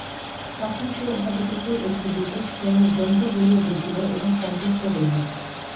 তখন সে উহাদিগকে একটি বিশেষ শ্রেণীর জন্তু বলিয়া বুঝিল এবং সন্তুষ্ট হইল।